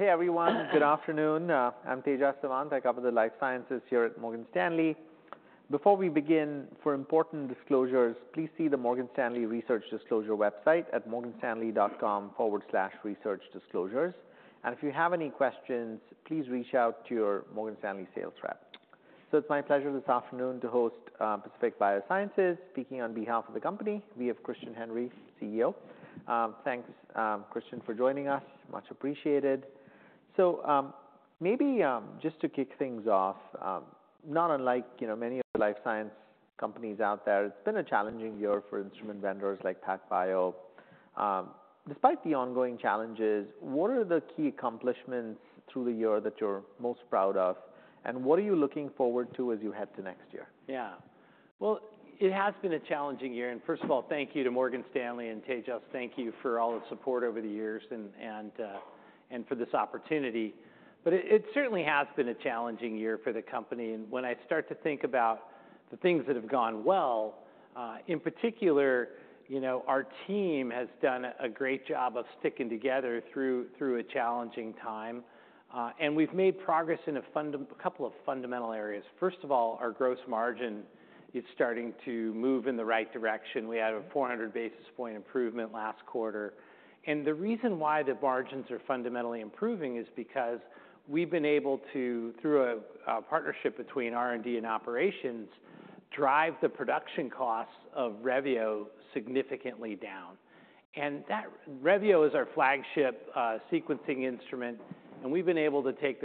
Hey, everyone, good afternoon. I'm Tejas Savant, I cover the life sciences here at Morgan Stanley. Before we begin, for important disclosures, please see the Morgan Stanley Research Disclosure website at morganstanley.com/researchdisclosures. And if you have any questions, please reach out to your Morgan Stanley sales rep. So it's my pleasure this afternoon to host Pacific Biosciences. Speaking on behalf of the company, we have Christian Henry, CEO. Thanks, Christian, for joining us. Much appreciated. So, maybe, just to kick things off, not unlike, you know, many of the life science companies out there, it's been a challenging year for instrument vendors like PacBio. Despite the ongoing challenges, what are the key accomplishments through the year that you're most proud of, and what are you looking forward to as you head to next year? Yeah. It has been a challenging year, and first of all, thank you to Morgan Stanley and Tejas, thank you for all the support over the years and for this opportunity. It certainly has been a challenging year for the company, and when I start to think about the things that have gone well, in particular, you know, our team has done a great job of sticking together through a challenging time. We've made progress in a couple of fundamental areas. First of all, our gross margin is starting to move in the right direction. We had a 400 basis point improvement last quarter. The reason why the margins are fundamentally improving is because we've been able to, through a partnership between R&D and operations, drive the production costs of Revio significantly down. Revio is our flagship sequencing instrument, and we've been able to take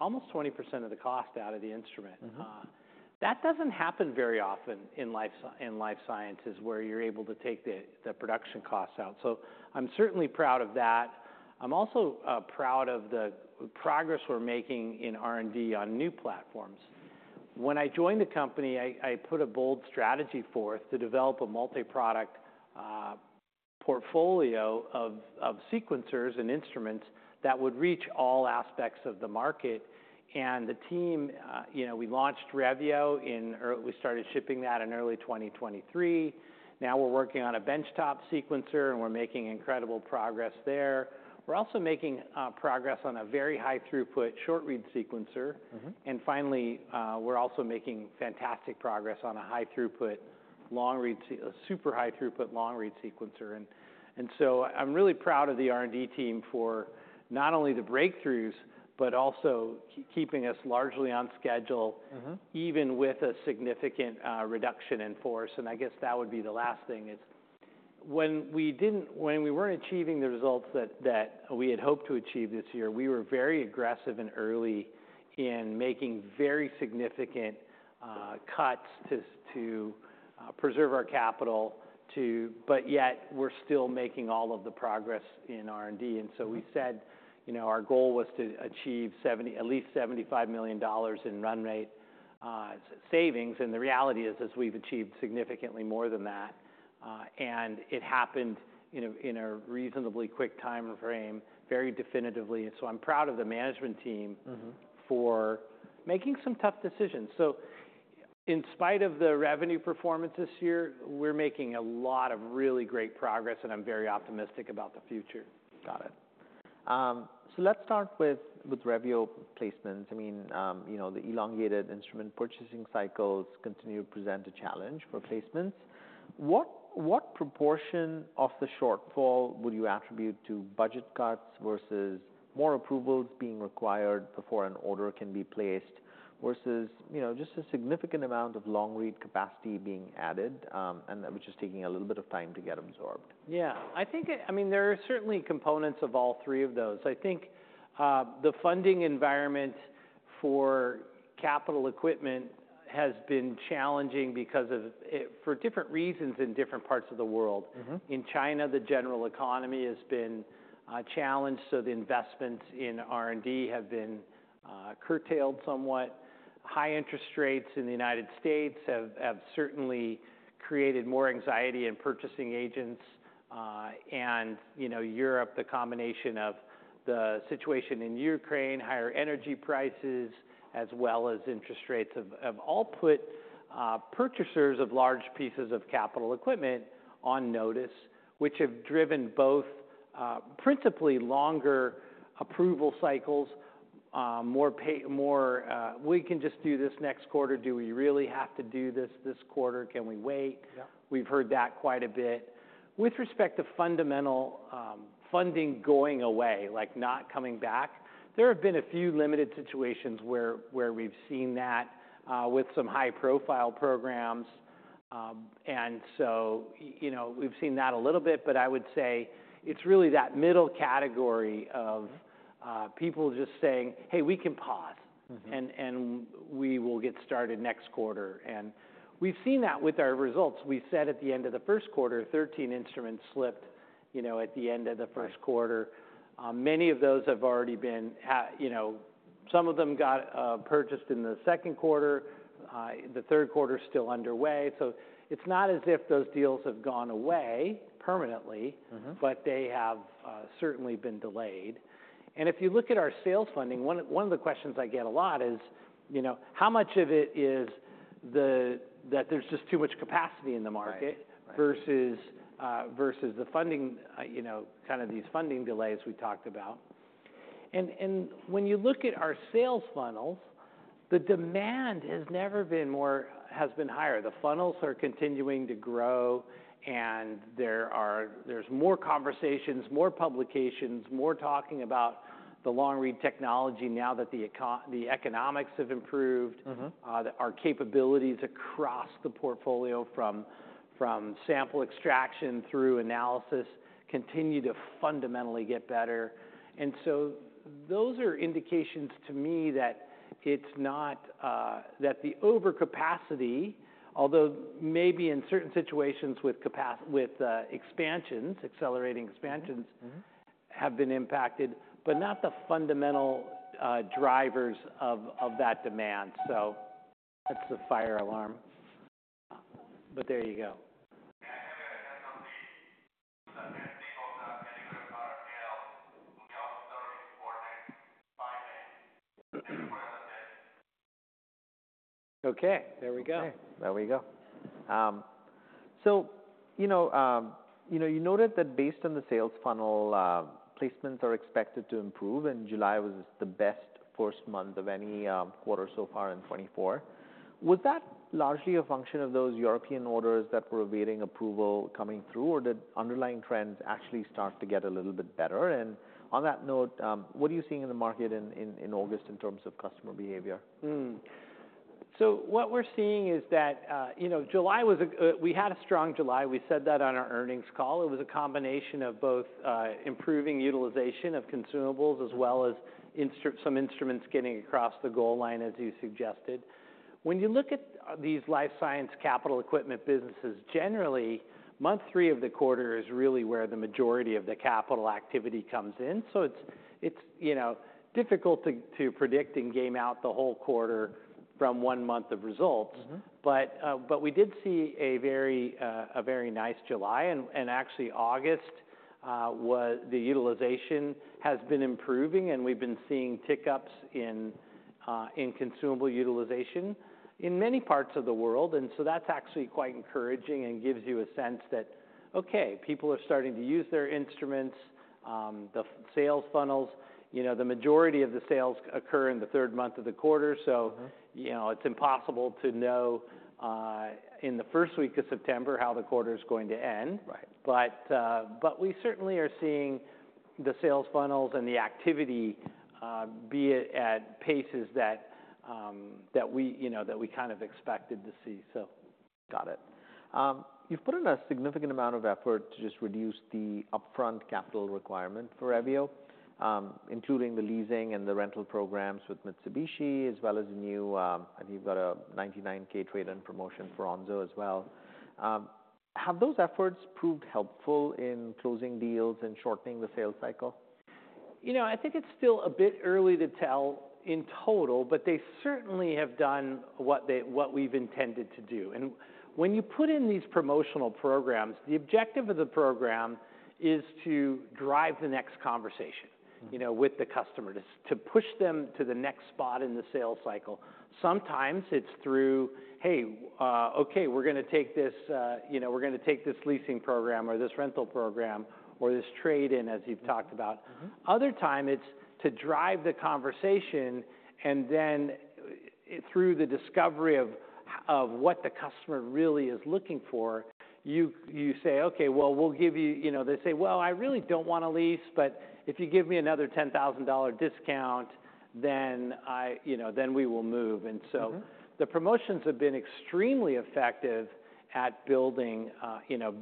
almost 20% of the cost out of the instrument. Mm-hmm. That doesn't happen very often in life sciences, where you're able to take the production costs out, so I'm certainly proud of that. I'm also proud of the progress we're making in R&D on new platforms. When I joined the company, I put a bold strategy forth to develop a multi-product portfolio of sequencers and instruments that would reach all aspects of the market. And the team, you know, we launched Revio. We started shipping that in early twenty twenty-three. Now, we're working on a benchtop sequencer, and we're making incredible progress there. We're also making progress on a very high throughput short-read sequencer. Mm-hmm. And finally, we're also making fantastic progress on a super high throughput long-read sequencer. And so I'm really proud of the R&D team for not only the breakthroughs, but also keeping us largely on schedule. Mm-hmm... even with a significant reduction in force, and I guess that would be the last thing, is when we weren't achieving the results that we had hoped to achieve this year, we were very aggressive and early in making very significant cuts to preserve our capital to... But yet, we're still making all of the progress in R&D. And so we said, you know, our goal was to achieve at least $75 million in run rate savings, and the reality is we've achieved significantly more than that. And it happened in a reasonably quick time frame, very definitively. So I'm proud of the management team- Mm-hmm... for making some tough decisions. So in spite of the revenue performance this year, we're making a lot of really great progress, and I'm very optimistic about the future. Got it. So let's start with Revio placements. I mean, you know, the elongated instrument purchasing cycles continue to present a challenge for placements. What proportion of the shortfall would you attribute to budget cuts versus more approvals being required before an order can be placed, versus, you know, just a significant amount of long-read capacity being added, and which is taking a little bit of time to get absorbed? Yeah. I think I mean, there are certainly components of all three of those. I think, the funding environment for capital equipment has been challenging because of, for different reasons in different parts of the world. Mm-hmm. In China, the general economy has been challenged, so the investments in R&D have been curtailed somewhat. High interest rates in the United States have certainly created more anxiety in purchasing agents. And you know, Europe, the combination of the situation in Ukraine, higher energy prices, as well as interest rates, have all put purchasers of large pieces of capital equipment on notice, which have driven both principally longer approval cycles, more "We can just do this next quarter. Do we really have to do this, this quarter? Can we wait? Yeah. We've heard that quite a bit. With respect to federal funding going away, like, not coming back, there have been a few limited situations where we've seen that with some high-profile programs, and so you know, we've seen that a little bit, but I would say it's really that middle category of people just saying: "Hey, we can pause- Mm-hmm... and we will get started next quarter. We've seen that with our results. We said at the end of the Q1, 13 instruments slipped, you know, at the end of the Q1. Right. Many of those have already been, you know, some of them got purchased in the Q2, the Q3 is still underway. So it's not as if those deals have gone away permanently. Mm-hmm... but they have certainly been delayed. And if you look at our sales funnel, one of the questions I get a lot is, you know: How much of it is that there's just too much capacity in the market- Right, right. versus the funding, you know, kind of these funding delays we talked about. And when you look at our sales funnels, the demand has never been more, has been higher. The funnels are continuing to grow, and there's more conversations, more publications, more talking about the long-read technology now that the economics have improved. Mm-hmm. Our capabilities across the portfolio from sample extraction through analysis continue to fundamentally get better. And so those are indications to me that it's not that the overcapacity, although maybe in certain situations with expansions, accelerating expansions- Mm-hmm. Mm-hmm... have been impacted, but not the fundamental drivers of that demand. So that's the fire alarm, but there you go. Okay, there we go. Okay, there we go. So you know, you know, you noted that based on the sales funnel, placements are expected to improve, and July was the best first month of any quarter so far in twenty-four. Was that largely a function of those European orders that were awaiting approval coming through, or did underlying trends actually start to get a little bit better? And on that note, what are you seeing in the market in August in terms of customer behavior? Hmm. So what we're seeing is that, you know, July was good. We had a strong July. We said that on our earnings call. It was a combination of both, improving utilization of consumables, as well as some instruments getting across the goal line, as you suggested. When you look at these life science capital equipment businesses, generally, month three of the quarter is really where the majority of the capital activity comes in. So it's, you know, difficult to predict and game out the whole quarter from one month of results. Mm-hmm. But we did see a very nice July, and actually August was. The utilization has been improving, and we've been seeing tick-ups in consumable utilization in many parts of the world, and so that's actually quite encouraging and gives you a sense that, okay, people are starting to use their instruments. The sales funnels, you know, the majority of the sales occur in the third month of the quarter, so- Mm-hmm ... you know, it's impossible to know in the first week of September how the quarter is going to end. Right. But we certainly are seeing the sales funnels and the activity be at paces that we, you know, that we kind of expected to see, so. Got it. You've put in a significant amount of effort to just reduce the upfront capital requirement for Revio, including the leasing and the rental programs with Mitsubishi, as well as new, I think you've got a $99,000 trade-in promotion for Onso as well. Have those efforts proved helpful in closing deals and shortening the sales cycle? You know, I think it's still a bit early to tell in total, but they certainly have done what they- what we've intended to do. And when you put in these promotional programs, the objective of the program is to drive the next conversation- Mm-hmm ... you know, with the customer, to push them to the next spot in the sales cycle. Sometimes it's through, "Hey, okay, we're gonna take this, you know, we're gonna take this leasing program or this rental program or this trade-in," as you've talked about. Mm-hmm. Other times, it's to drive the conversation and then, through the discovery of what the customer really is looking for, you say, "Okay, well, we'll give you..." You know, they say, "Well, I really don't want a lease, but if you give me another $10,000 discount, then, you know, then we will move. Mm-hmm. And so the promotions have been extremely effective at building, you know,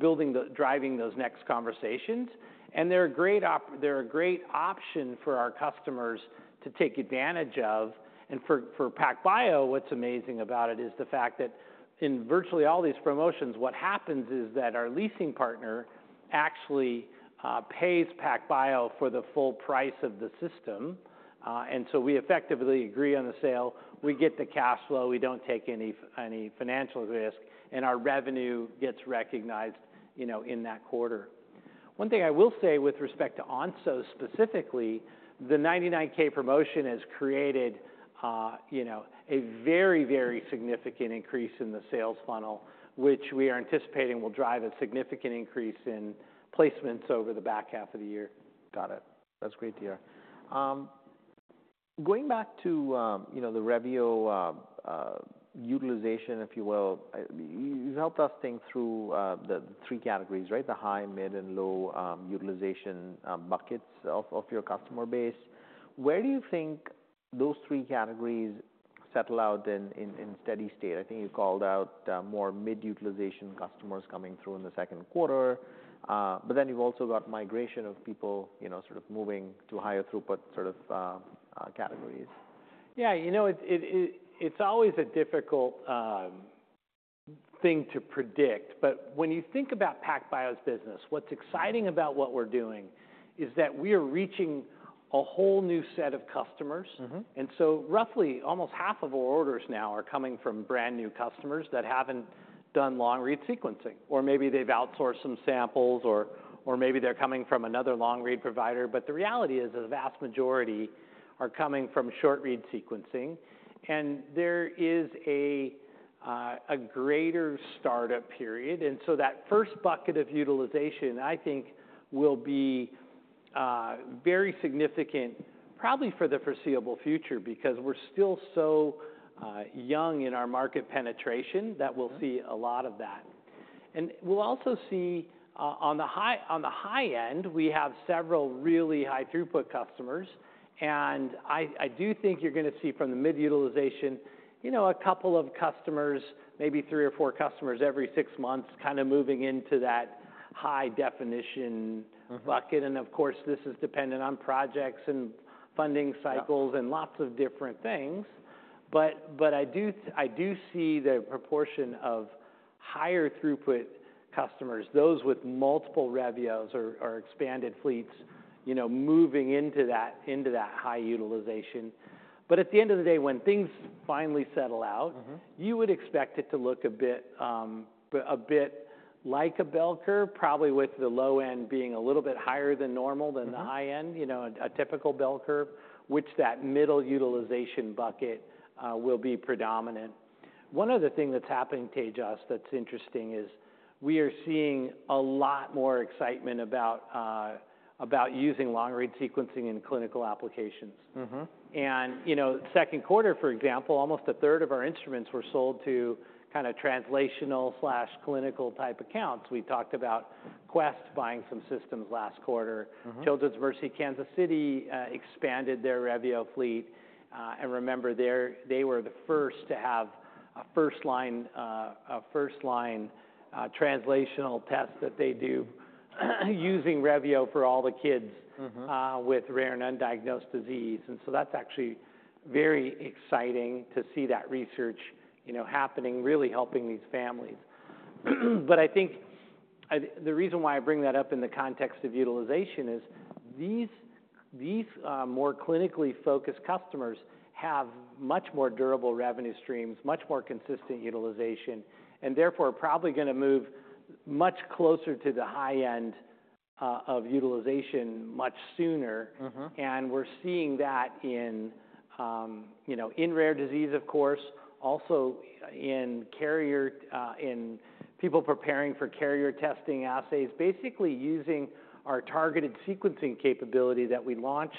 driving those next conversations, and they're a great option for our customers to take advantage of. And for PacBio, what's amazing about it is the fact that in virtually all these promotions, what happens is that our leasing partner actually pays PacBio for the full price of the system. And so we effectively agree on the sale, we get the cash flow, we don't take any financial risk, and our revenue gets recognized, you know, in that quarter. One thing I will say with respect to Onso specifically, the $99K promotion has created, you know, a very, very significant increase in the sales funnel, which we are anticipating will drive a significant increase in placements over the back half of the year. Got it. That's great to hear. Going back to, you know, the Revio, utilization, if you will. You've helped us think through, the three categories, right? The high, mid, and low, utilization, buckets of your customer base. Where do you think those three categories settle out in steady state? I think you called out, more mid-utilization customers coming through in the Q2, but then you've also got migration of people, you know, sort of moving to higher throughput sort of, categories. Yeah, you know, it's always a difficult thing to predict, but when you think about PacBio's business, what's exciting about what we're doing is that we are reaching a whole new set of customers. Mm-hmm. Roughly, almost half of our orders now are coming from brand-new customers that haven't done long-read sequencing, or maybe they've outsourced some samples, or maybe they're coming from another long-read provider. But the reality is, the vast majority are coming from short-read sequencing, and there is a greater startup period, and so that first bucket of utilization, I think, will be very significant, probably for the foreseeable future, because we're still so young in our market penetration, that we'll see a lot of that. We'll also see, on the high end, we have several really high throughput customers, and I do think you're going to see from the mid-utilization, you know, a couple of customers, maybe three or four customers every six months, kind of moving into that high definition- Mm-hmm... bucket, and of course, this is dependent on projects and funding cycles- Yeah And lots of different things. But I do see the proportion of higher throughput customers, those with multiple Revios or expanded fleets, you know, moving into that high utilization. But at the end of the day, when things finally settle out. Mm-hmm... you would expect it to look a bit, a bit like a bell curve, probably with the low end being a little bit higher than normal than the high end. Mm-hmm. You know, a typical bell curve, which that middle utilization bucket will be predominant. One other thing that's happening, Tejas, that's interesting, is we are seeing a lot more excitement about about using long-read sequencing in clinical applications. Mm-hmm. You know, Q2, for example, almost a third of our instruments were sold to kind of translational/clinical type accounts. We talked about Quest buying some systems last quarter. Mm-hmm. Children's Mercy Kansas City expanded their Revio fleet. And remember, they were the first to have a first-line translational test that they do, using Revio for all the kids- Mm-hmm... with rare and undiagnosed disease. And so that's actually very exciting to see that research, you know, happening, really helping these families. But I think, the reason why I bring that up in the context of utilization is, these more clinically focused customers have much more durable revenue streams, much more consistent utilization, and therefore, are probably going to move much closer to the high end of utilization much sooner. Mm-hmm. And we're seeing that in, you know, in rare disease, of course, also in carrier, in people preparing for carrier testing assays, basically using our targeted sequencing capability that we launched.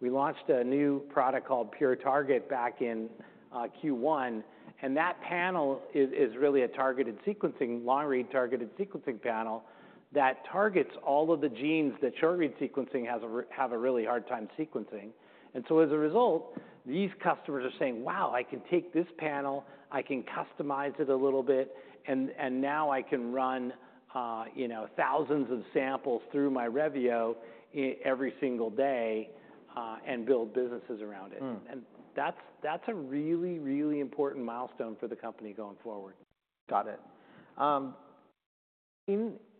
We launched a new product called PureTarget back in Q1, and that panel is really a targeted sequencing, long-read targeted sequencing panel, that targets all of the genes that short-read sequencing has a really hard time sequencing. And so as a result, these customers are saying, "Wow, I can take this panel, I can customize it a little bit, and now I can run, you know, thousands of samples through my Revio every single day, and build businesses around it. Hmm. That's a really, really important milestone for the company going forward. Got it.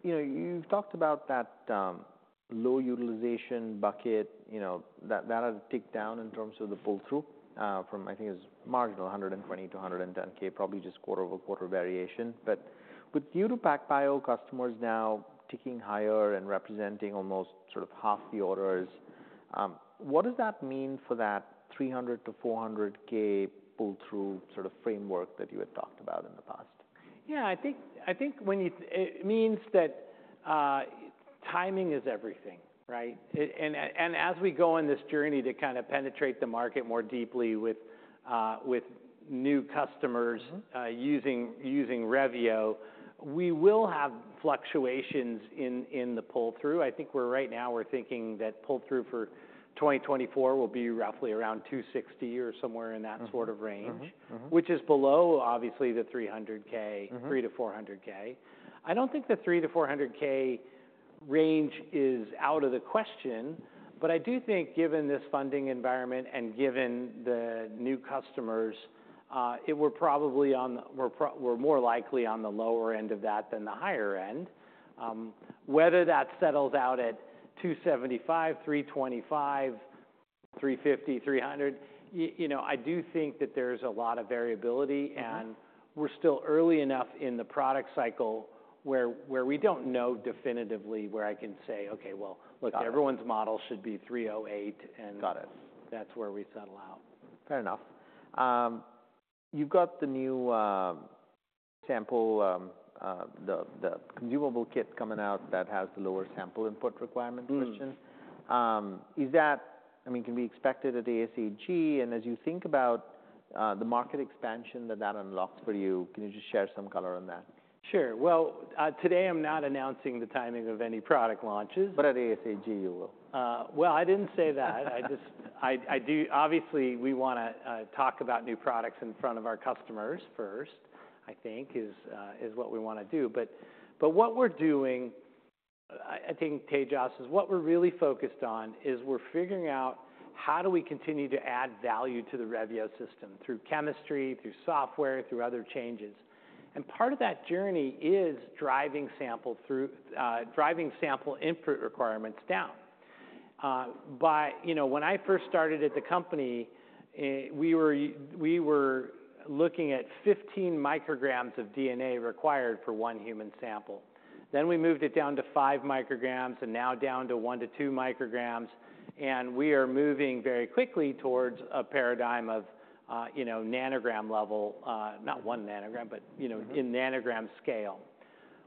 You know, you've talked about that low utilization bucket, you know, that has ticked down in terms of the pull-through from, I think it was marginal, $120K-$110K, probably just quarter-over-quarter variation. But with new PacBio customers now ticking higher and representing almost sort of half the orders, what does that mean for that $300K-$400K pull-through sort of framework that you had talked about in the past? Yeah, I think it means that timing is everything, right? And as we go on this journey to kind of penetrate the market more deeply with new customers- Mm-hmm... using Revio, we will have fluctuations in the pull-through. I think, right now, we're thinking that pull-through for twenty twenty-four will be roughly around $260 or somewhere in that sort of range. Mm-hmm. Mm-hmm, mm-hmm. Which is below, obviously, the 300K- Mm-hmm... $300K-$400K. I don't think the $300K-$400K range is out of the question, but I do think, given this funding environment and given the new customers, we're more likely on the lower end of that than the higher end. Whether that settles out at $275K, $325K, $350K, $300K, you know, I do think that there's a lot of variability- Mm-hmm... and we're still early enough in the product cycle where we don't know definitively, where I can say, "Okay, well, look- Got it... everyone's model should be 308, and- Got it... that's where we settle out. Fair enough. You've got the new sample, the consumable kit coming out that has the lower sample input requirement position. Mm-hmm. Is that... I mean, can we expect it at the ASHG? And as you think about the market expansion that that unlocks for you, can you just share some color on that? Sure. Well, today I'm not announcing the timing of any product launches. But at ASHG, you will. Well, I didn't say that. I just obviously we want to talk about new products in front of our customers first, I think, is what we want to do. But what we're doing, I think, Tejas, is what we're really focused on, is we're figuring out how do we continue to add value to the Revio system through chemistry, through software, through other changes. And part of that journey is driving sample throughput, driving sample input requirements down. But you know, when I first started at the company, we were looking at 15 micrograms of DNA required for one human sample. Then we moved it down to five micrograms, and now down to one to two micrograms, and we are moving very quickly towards a paradigm of, you know, nanogram level, not one nanogram, but, you know- Mm-hmm... in nanogram scale.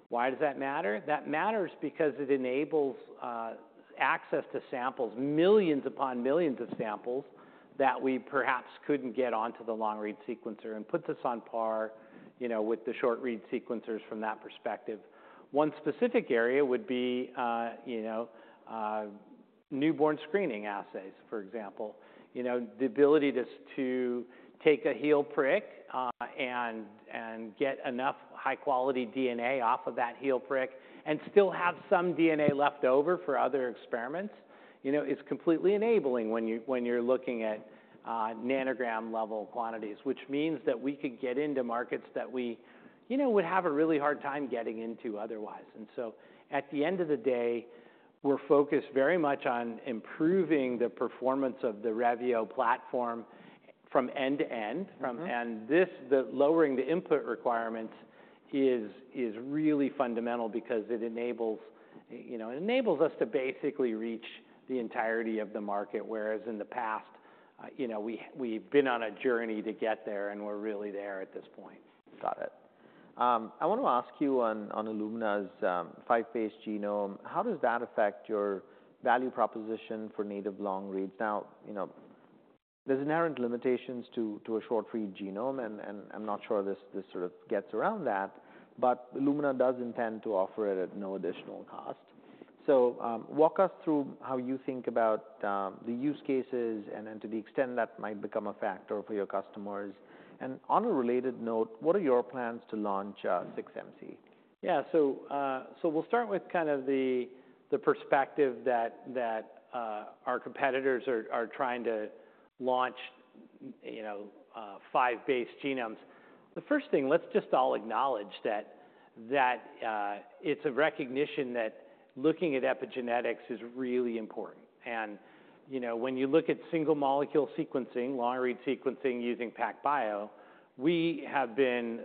Why does that matter? That matters because it enables access to samples, millions upon millions of samples, that we perhaps couldn't get onto the long-read sequencer, and puts us on par, you know, with the short-read sequencers from that perspective. One specific area would be newborn screening assays, for example. You know, the ability to take a heel prick and get enough high-quality DNA off of that heel prick, and still have some DNA left over for other experiments, you know, is completely enabling when you're looking at nanogram-level quantities. Which means that we could get into markets that we, you know, would have a really hard time getting into otherwise. And so at the end of the day, we're focused very much on improving the performance of the Revio platform from end to end. Mm-hmm. This, the lowering the input requirements is really fundamental because it enables, you know, it enables us to basically reach the entirety of the market, whereas in the past, you know, we've been on a journey to get there, and we're really there at this point. Got it. I want to ask you on Illumina's 5-base genome, how does that affect your value proposition for native long reads? Now, you know, there's inherent limitations to a short-read genome, and I'm not sure this sort of gets around that, but Illumina does intend to offer it at no additional cost. Walk us through how you think about the use cases, and then to the extent that might become a factor for your customers. On a related note, what are your plans to launch 6mC? Yeah. So we'll start with kind of the perspective that our competitors are trying to launch, you know, five base genomes. The first thing, let's just all acknowledge that it's a recognition that looking at epigenetics is really important, and you know, when you look at single-molecule sequencing, long-read sequencing using PacBio, we have been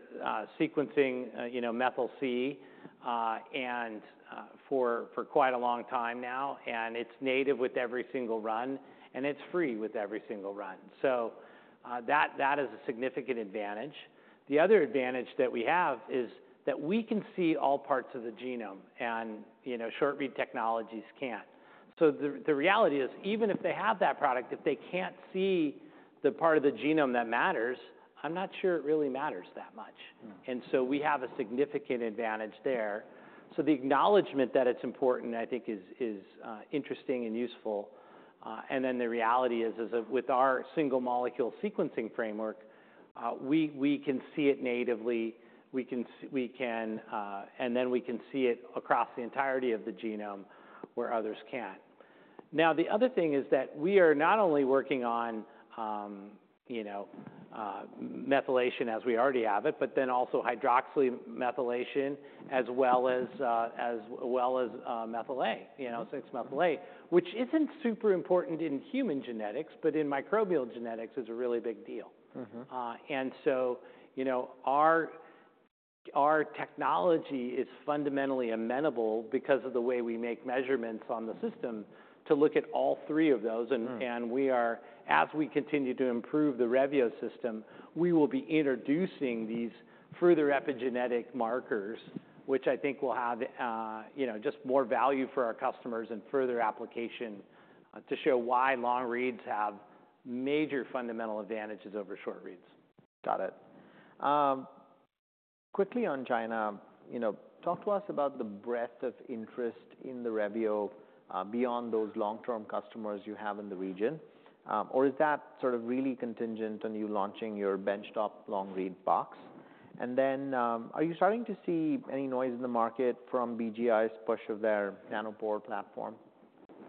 sequencing, you know, methyl C, and for quite a long time now, and it's native with every single run, and it's free with every single run. That is a significant advantage. The other advantage that we have is that we can see all parts of the genome, and you know, short-read technologies can't. So the reality is, even if they have that product, if they can't see the part of the genome that matters, I'm not sure it really matters that much. Mm. We have a significant advantage there. The acknowledgement that it's important, I think, is interesting and useful. The reality is that with our single molecule sequencing framework, we can see it natively. We can see it across the entirety of the genome, where others can't. Now, the other thing is that we are not only working on, you know, methylation as we already have it, but then also hydroxymethylation, as well as methyl A, you know- Mm-hmm... so it's Methyl A, which isn't super important in human genetics, but in microbial genetics, it's a really big deal. Mm-hmm. And so, you know, our technology is fundamentally amenable because of the way we make measurements on the system to look at all three of those. Mm. As we continue to improve the Revio system, we will be introducing these further epigenetic markers, which I think will have, you know, just more value for our customers and further application to show why long reads have major fundamental advantages over short reads. Got it. Quickly on China, you know, talk to us about the breadth of interest in the Revio, beyond those long-term customers you have in the region. Or is that sort of really contingent on you launching your benchtop long-read box? And then, are you starting to see any noise in the market from BGI's push of their nanopore platform?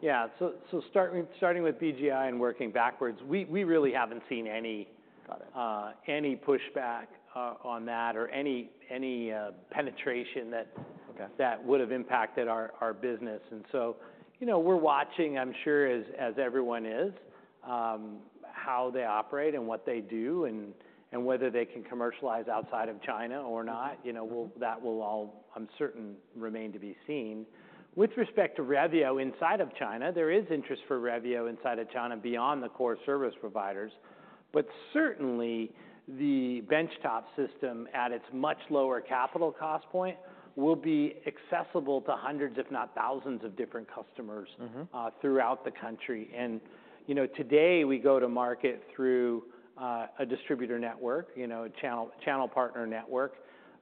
Yeah, so starting with BGI and working backwards, we really haven't seen any- Got it... any pushback on that, or any penetration that- Okay... that would have impacted our business. And so, you know, we're watching, I'm sure as everyone is, how they operate and what they do, and whether they can commercialize outside of China or not. Mm-hmm. You know, well, that will all, I'm certain, remain to be seen. With respect to Revio inside of China, there is interest for Revio inside of China beyond the core service providers, but certainly, the benchtop system, at its much lower capital cost point, will be accessible to hundreds, if not thousands of different customers- Mm-hmm... throughout the country. And, you know, today, we go to market through a distributor network, you know, a channel partner network.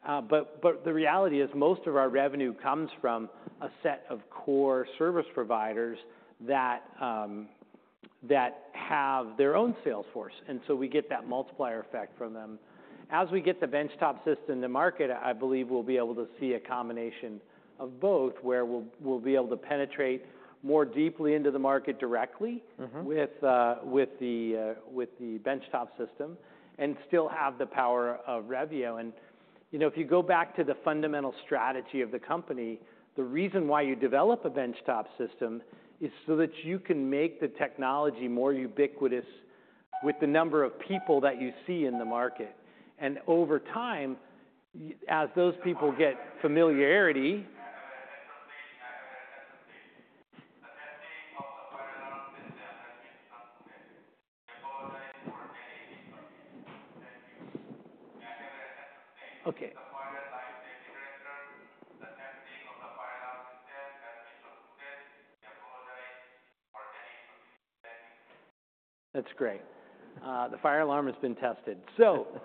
But the reality is, most of our revenue comes from a set of core service providers that have their own sales force, and so we get that multiplier effect from them. As we get the benchtop system to market, I believe we'll be able to see a combination of both, where we'll be able to penetrate more deeply into the market directly- Mm-hmm... with the benchtop system, and still have the power of Revio. You know, if you go back to the fundamental strategy of the company, the reason why you develop a benchtop system is so that you can make the technology more ubiquitous with the number of people that you see in the market, and over time, as those people get familiarity- Okay. The fire alarm safety director, the testing of the fire alarm system has been successful. We apologize for any inconvenience. That's great. The fire alarm has been tested. So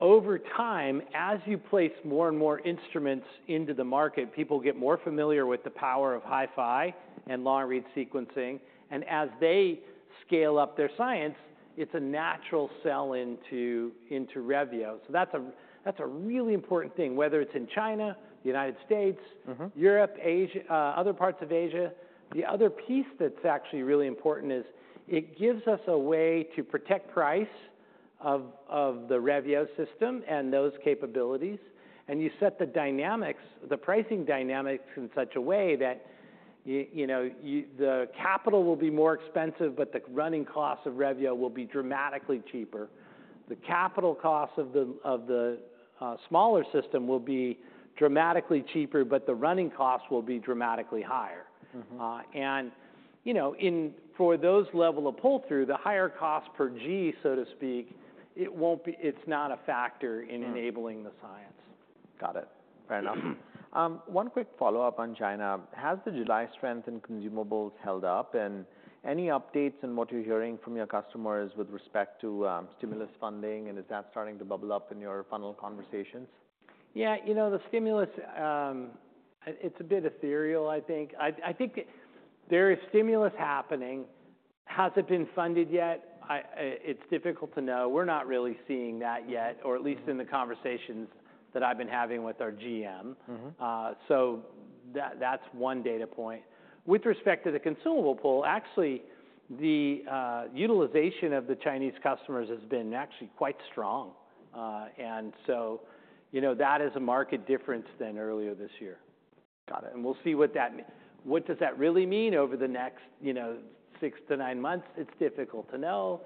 over time, as you place more and more instruments into the market, people get more familiar with the power of HiFi and long-read sequencing, and as they scale up their science, it's a natural sell into Revio. So that's a really important thing, whether it's in China, the United States- Mm-hmm. Europe, Asia, other parts of Asia. The other piece that's actually really important is it gives us a way to protect price of the Revio system and those capabilities, and you set the dynamics, the pricing dynamics in such a way that you know, the capital will be more expensive, but the running costs of Revio will be dramatically cheaper. The capital costs of the smaller system will be dramatically cheaper, but the running costs will be dramatically higher. Mm-hmm. and, you know, for those level of pull-through, the higher cost per G, so to speak, it won't be. It's not a factor- Mm. in enabling the science. Got it. Fair enough. One quick follow-up on China: Has the July strength in consumables held up? And any updates on what you're hearing from your customers with respect to stimulus funding, and is that starting to bubble up in your funnel conversations? Yeah, you know, the stimulus, it's a bit ethereal, I think. I think there is stimulus happening. Has it been funded yet? It's difficult to know. We're not really seeing that yet, or at least in the conversations that I've been having with our GM. Mm-hmm. So that's one data point. With respect to the consumable pool, actually, the utilization of the Chinese customers has been actually quite strong, and so, you know, that is a market difference than earlier this year. Got it. We'll see what does that really mean over the next, you know, six to nine months? It's difficult to know.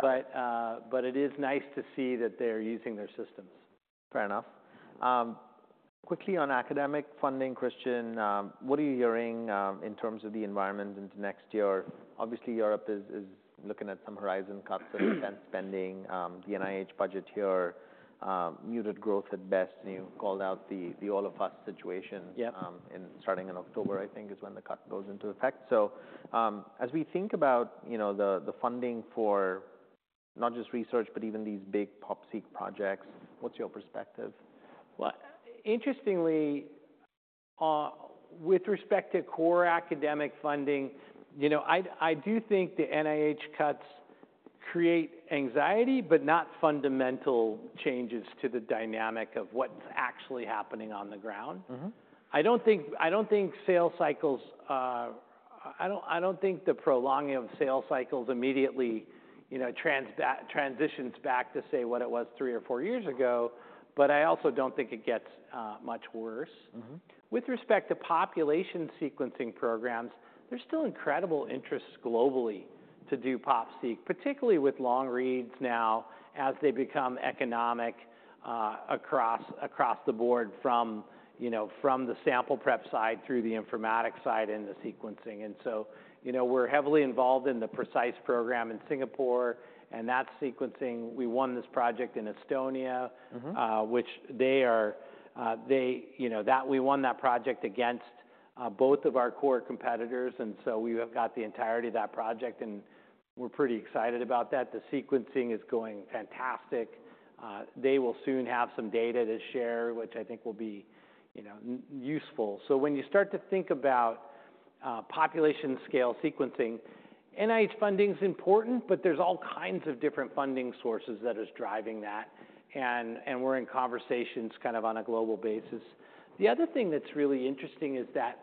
Got it. But it is nice to see that they're using their systems. Fair enough. Quickly on academic funding, Christian, what are you hearing in terms of the environment into next year? Obviously, Europe is looking at some horizon cuts and spending, the NIH budget here, muted growth at best, and you called out the All of Us situation. Yeah. And starting in October, I think, is when the cut goes into effect. So, as we think about, you know, the funding for not just research, but even these big PopSeq projects, what's your perspective? Interestingly, with respect to core academic funding, you know, I do think the NIH cuts create anxiety, but not fundamental changes to the dynamic of what's actually happening on the ground. Mm-hmm. I don't think the prolonging of sales cycles immediately, you know, transitions back to, say, what it was three or four years ago, but I also don't think it gets much worse. Mm-hmm. With respect to population sequencing programs, there's still incredible interest globally to do PopSeq, particularly with long reads now, as they become economic across, across the board, from, you know, from the sample prep side through the informatics side and the sequencing. And so, you know, we're heavily involved in the PRECISE program in Singapore, and that sequencing, we won this project in Estonia. Mm-hmm which they are, they, you know, that we won that project against both of our core competitors, and so we have got the entirety of that project, and we're pretty excited about that. The sequencing is going fantastic. They will soon have some data to share, which I think will be, you know, useful. So when you start to think about population scale sequencing, NIH funding is important, but there's all kinds of different funding sources that is driving that, and we're in conversations kind of on a global basis. The other thing that's really interesting is that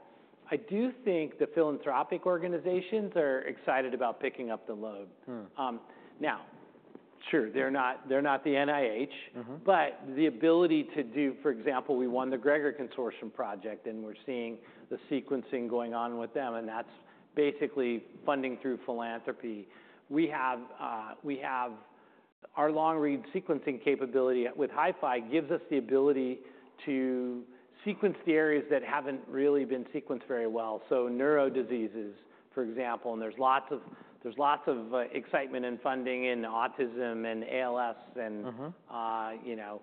I do think the philanthropic organizations are excited about picking up the load. Hmm. Now, sure, they're not, they're not the NIH- Mm-hmm... but the ability to do for example, we won the GREGoR Consortium project, and we're seeing the sequencing going on with them, and that's basically funding through philanthropy. We have our long-read sequencing capability, with HiFi, gives us the ability to sequence the areas that haven't really been sequenced very well, so neuro diseases, for example. And there's lots of excitement and funding in autism and ALS and- Mm-hmm... you know,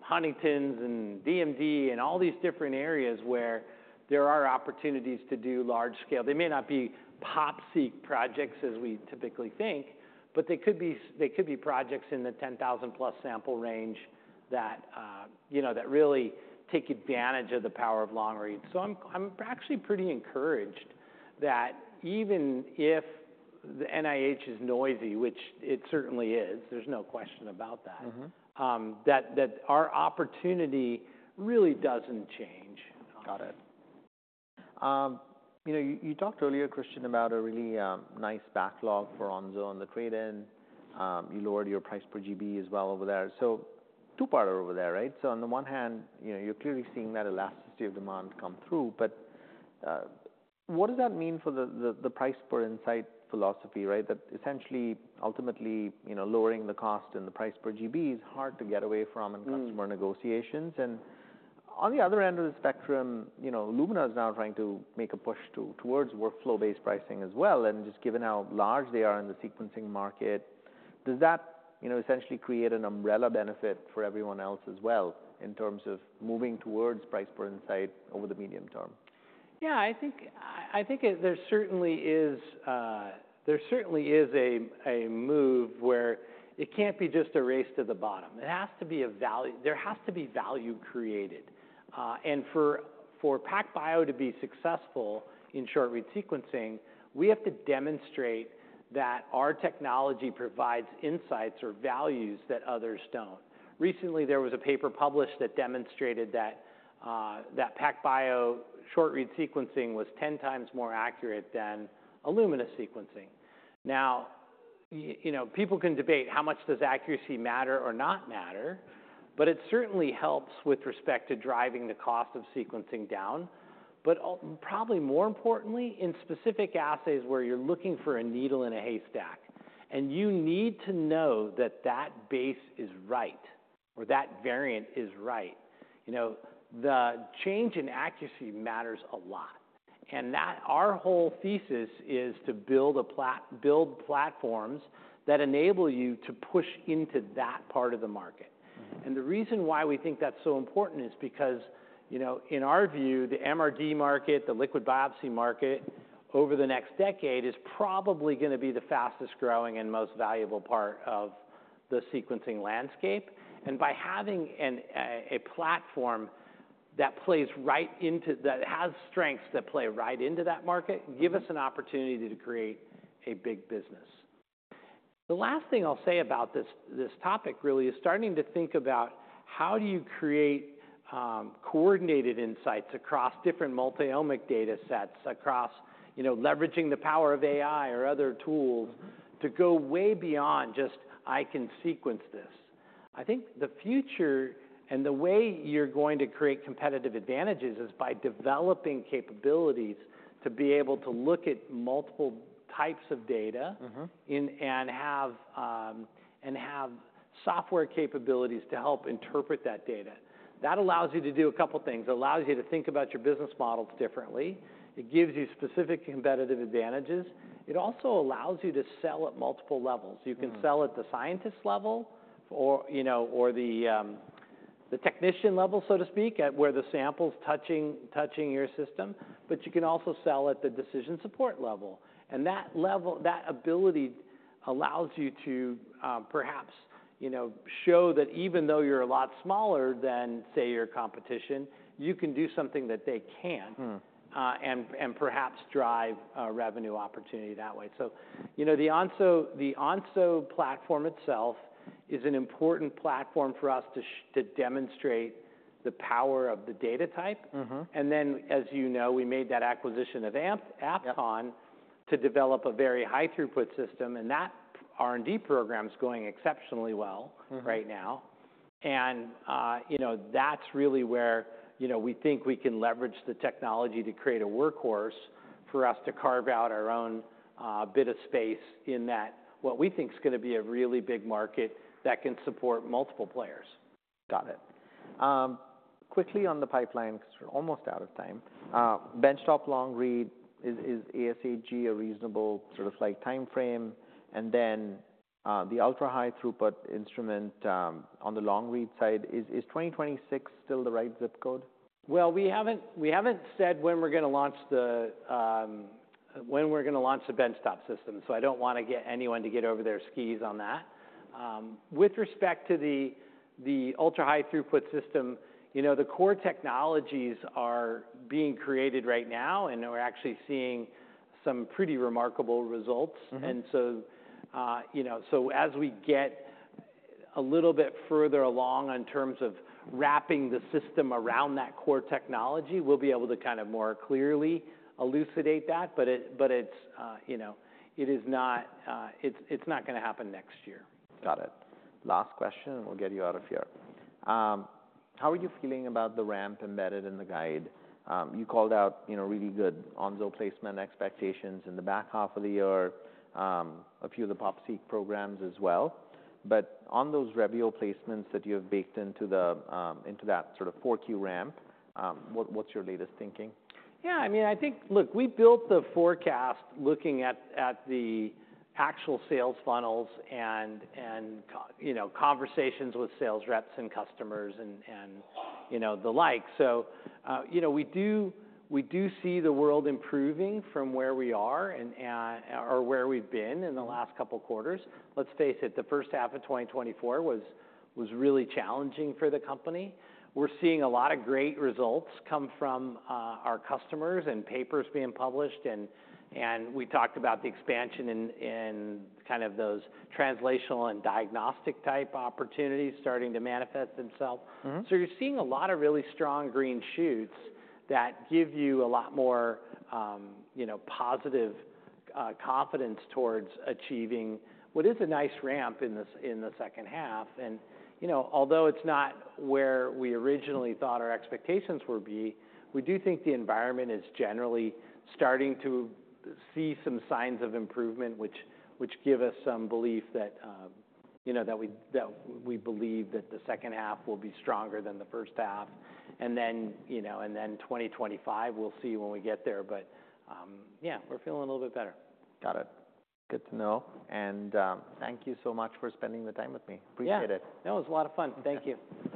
Huntington's and DMD, and all these different areas where there are opportunities to do large scale. They may not be PopSeq projects as we typically think, but they could be projects in the ten thousand plus sample range that, you know, that really take advantage of the power of long-read. So I'm actually pretty encouraged that even if the NIH is noisy, which it certainly is, there's no question about that. Mm-hmm... that our opportunity really doesn't change. Got it. You know, you talked earlier, Christian, about a really nice backlog for Onso on the trade-in. You lowered your price per GB as well over there. So two-parter over there, right? So on the one hand, you know, you're clearly seeing that elasticity of demand come through, but what does that mean for the price per insight philosophy, right? That essentially, ultimately, you know, lowering the cost and the price per GB is hard to get away from- Hmm... in customer negotiations and. On the other end of the spectrum, you know, Illumina is now trying to make a push to, towards workflow-based pricing as well, and just given how large they are in the sequencing market, does that, you know, essentially create an umbrella benefit for everyone else as well, in terms of moving towards price per insight over the medium term? Yeah, I think there certainly is a move where it can't be just a race to the bottom. It has to be a value. There has to be value created. And for PacBio to be successful in short-read sequencing, we have to demonstrate that our technology provides insights or values that others don't. Recently, there was a paper published that demonstrated that PacBio short-read sequencing was ten times more accurate than Illumina sequencing. Now, you know, people can debate how much does accuracy matter or not matter, but it certainly helps with respect to driving the cost of sequencing down. But probably more importantly, in specific assays where you're looking for a needle in a haystack, and you need to know that that base is right or that variant is right, you know, the change in accuracy matters a lot. And our whole thesis is to build platforms that enable you to push into that part of the market. Mm-hmm. And the reason why we think that's so important is because, you know, in our view, the MRD market, the liquid biopsy market, over the next decade, is probably gonna be the fastest-growing and most valuable part of the sequencing landscape. And by having a platform that plays right into, that has strengths that play right into that market, give us an opportunity to create a big business. The last thing I'll say about this topic really is starting to think about: how do you create coordinated insights across different multi-omic data sets, across, you know, leveraging the power of AI or other tools to go way beyond just, "I can sequence this"? I think the future and the way you're going to create competitive advantages is by developing capabilities to be able to look at multiple types of data. Mm-hmm ...and have software capabilities to help interpret that data. That allows you to do a couple things. It allows you to think about your business models differently. It gives you specific competitive advantages. It also allows you to sell at multiple levels. Mm-hmm. You can sell at the scientist level or, you know, or the technician level, so to speak, at where the sample's touching your system, but you can also sell at the decision support level, and that level, that ability allows you to, perhaps, you know, show that even though you're a lot smaller than, say, your competition, you can do something that they can't- Mm-hmm... and perhaps drive a revenue opportunity that way. So, you know, the Onso platform itself is an important platform for us to demonstrate the power of the data type. Mm-hmm. Then, as you know, we made that acquisition of Apton- Yep to develop a very high throughput system, and that R&D program is going exceptionally well. Mm-hmm right now. And, you know, that's really where, you know, we think we can leverage the technology to create a workhorse for us to carve out our own bit of space in that, what we think is gonna be a really big market that can support multiple players. Got it. Quickly on the pipeline, because we're almost out of time. Benchtop long read, is ASHG a reasonable sort of like, time frame? And then, the ultra-high throughput instrument, on the long read side, is 2026 still the right zip code? We haven't said when we're gonna launch the benchtop system, so I don't wanna get anyone to get over their skis on that. With respect to the ultra-high throughput system, you know, the core technologies are being created right now, and we're actually seeing some pretty remarkable results. Mm-hmm. And so, you know, so as we get a little bit further along in terms of wrapping the system around that core technology, we'll be able to kind of more clearly elucidate that, but it, but it's, you know, it is not... it's, it's not gonna happen next year. Got it. Last question, and we'll get you out of here. How are you feeling about the ramp embedded in the guide? You called out, you know, really good Onso placement expectations in the back half of the year, a few of the PopSeq programs as well. But on those Revio placements that you have baked into that sort of 4Q ramp, what's your latest thinking? Yeah, I mean, I think, look, we built the forecast looking at the actual sales funnels and you know, conversations with sales reps and customers and you know, the like. So, you know, we do see the world improving from where we are and or where we've been in the last couple of quarters. Let's face it, the first half of twenty twenty-four was really challenging for the company. We're seeing a lot of great results come from our customers and papers being published, and we talked about the expansion in kind of those translational and diagnostic-type opportunities starting to manifest themselves. Mm-hmm. So you're seeing a lot of really strong green shoots that give you a lot more, you know, positive confidence towards achieving what is a nice ramp in this, in the second half. And, you know, although it's not where we originally thought our expectations would be, we do think the environment is generally starting to see some signs of improvement, which give us some belief that, you know, that we, that we believe that the second half will be stronger than the first half. And then, you know, and then twenty twenty-five, we'll see when we get there, but, yeah, we're feeling a little bit better. Got it. Good to know. And, thank you so much for spending the time with me. Yeah. Appreciate it. No, it was a lot of fun. Thank you.